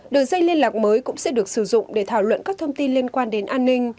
đường dây liên lạc mới cũng sẽ được sử dụng để thảo luận các thông tin liên quan đến an ninh